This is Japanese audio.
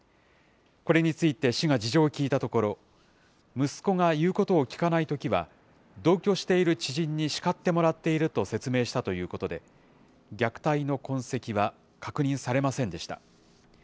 これについて市が事情を聞いたところ、息子が言うことをきかないときは、同居している知人に叱ってもらっていると説明したということで、虐待の痕跡は確認されませんでした。